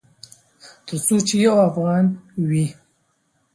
ترڅو چې یو افغان وي